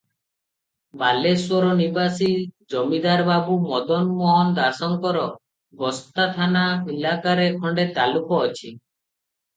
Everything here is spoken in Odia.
ବାଲେଶ୍ୱର ନିବାସୀ ଜମିଦାର ବାବୁ ମଦନ ମୋହନ ଦାସଙ୍କର ବସ୍ତା ଥାନା ଇଲାକାରେ ଖଣ୍ଡେ ତାଲୁକ ଅଛି ।